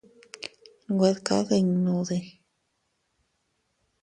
Güed kadinnudi.